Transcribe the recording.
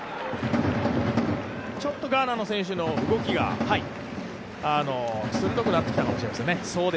ちょっとガーナの選手の動きが鋭くなってきたかもしれないですね。